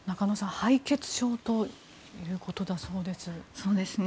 敗血症ということだそうです。